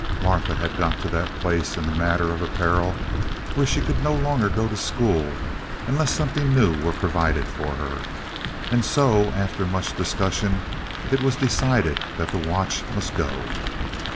Martha had got to that place in the matter of apparel where she could no longer go to school unless something new were provided for her. And so, after much discussion, it was decided that the watch must go.